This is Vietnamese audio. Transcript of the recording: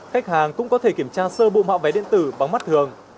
khách hàng cũng có thể kiểm tra sơ bộ mạo vé điện tử bằng mắt thường